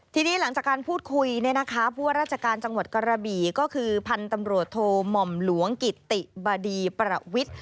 ทีนี้หลังจากการพูดคุยเนี่ยนะคะผู้ว่าราชการจังหวัดกระบี่ก็คือพันธุ์ตำรวจโทหม่อมหลวงกิติบดีประวิทย์